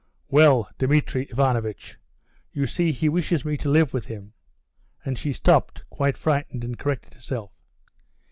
"Well, Dmitri Ivanovitch, you see he wishes me to live with him " and she stopped, quite frightened, and corrected herself.